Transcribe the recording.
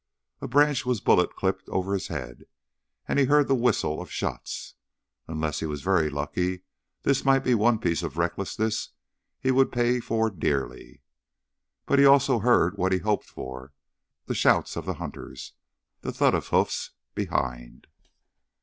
A branch was bullet clipped over his head, and he heard the whistle of shots. Unless he was very lucky, this might be one piece of recklessness he would pay for dearly. But he also heard what he had hoped for the shouts of the hunters, the thud of hoofs behind.